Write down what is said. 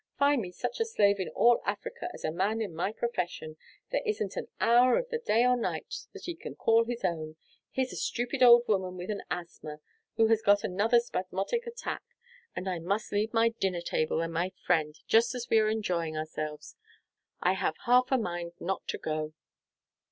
"Find me such a slave in all Africa as a man in my profession. There isn't an hour of the day or night that he can call his own. Here's a stupid old woman with an asthma, who has got another spasmodic attack and I must leave my dinner table and my friend, just as we are enjoying ourselves. I have half a mind not to go."